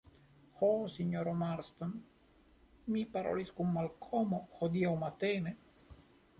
Ho, sinjoro Marston, mi parolis kun Malkomo hodiaŭ matene.